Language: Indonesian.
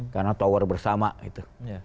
karena tower bersama itu